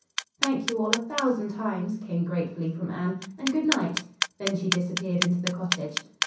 "Thank you, all, a thousand times!" came gratefully from Anne; "and good night." Then she disappeared into the cottage.